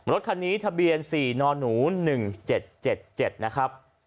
รถคันนี้ทะเบียน๔นหนู๑๗๗นะครับ